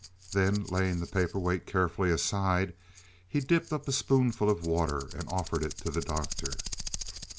Then, laying the paper weight carefully aside, he dipped up a spoonful of water and offered it to the Doctor.